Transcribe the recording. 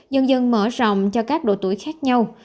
dần dần mở rộng cho các độ tuổi khác nhau